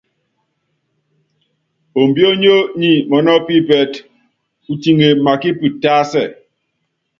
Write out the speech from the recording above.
Ombiónyó nyi mɔnɔ́ upípɛtɛ, utiŋe makípi tásɛ.